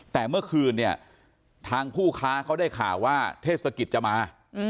แต่เมื่อคืนเนี่ยทางผู้ค้าเขาได้ข่าวว่าเทศกิจจะมา